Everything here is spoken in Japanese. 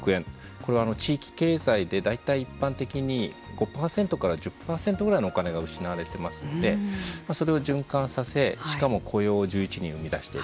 これは地域経済で大体一般的に５％から１０％ぐらいのお金が失われてますのでそれを循環させしかも雇用を１１人生み出していると。